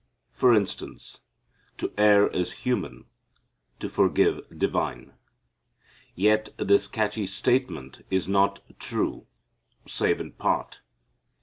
For instance, "To err is human, to forgive divine." Yet this catchy statement is not true, save in part.